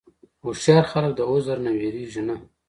هوښیار خلک د عذر نه وېرېږي نه.